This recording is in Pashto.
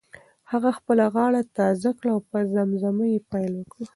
هغه خپله غاړه تازه کړه او په زمزمه یې پیل وکړ.